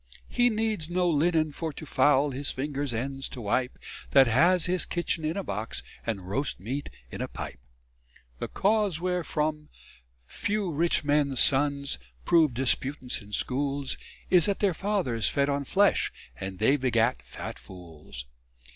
He needs no linnen for to foul His fingers' ends to wipe, That has his kitchin in a box, And roast meat in a pipe. The cause wherefore few rich men's sons Prove disputants in schools, Is that their fathers fed on flesh, And they begat fat fools.